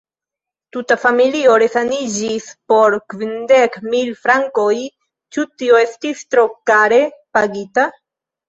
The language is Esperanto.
Tuta familio resaniĝis por kvindek mil frankoj: ĉu tio estis tro kare pagita?